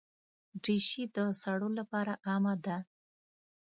دریشي د سړو لپاره عامه ده.